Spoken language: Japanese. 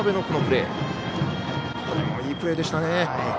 これもいいプレーでしたね。